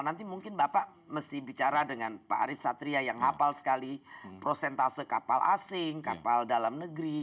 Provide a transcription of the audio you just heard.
nanti mungkin bapak mesti bicara dengan pak arief satria yang hafal sekali prosentase kapal asing kapal dalam negeri